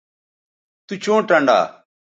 تو چوں ٹنڈا